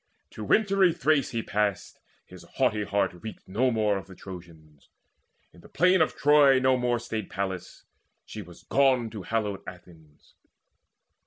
To wintry Thrace he passed; his haughty heart Reeked no more of the Trojans. In the plain Of Troy no more stayed Pallas; she was gone To hallowed Athens.